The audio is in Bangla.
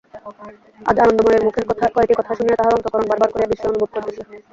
আজ আনন্দময়ীর মুখের কয়টি কথা শুনিয়া তাহার অন্তঃকরণ বার বার করিয়া বিস্ময় অনুভব করিতেছে।